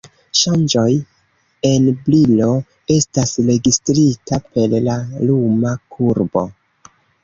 Ŝanĝoj en brilo estas registrita per la luma kurbo.